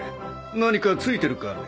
何か付いてるかね？